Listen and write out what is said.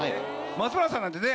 松村さんなんてね。